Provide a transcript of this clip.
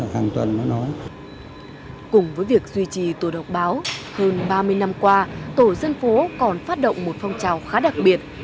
hơn ba mươi năm qua tổ dân phố còn phát động một phong trào khá đặc biệt